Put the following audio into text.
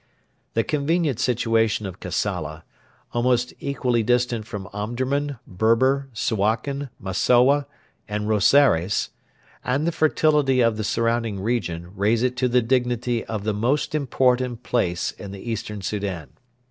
The convenient situation of Kassala almost equally distant from Omdurman, Berber, Suakin, Massowa, and Rosaires and the fertility of the surrounding region raise it to the dignity of the most important place in the Eastern Soudan.